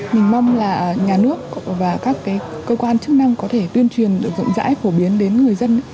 mình mong là nhà nước và các cơ quan chức năng có thể tuyên truyền rộng rãi phổ biến đến người dân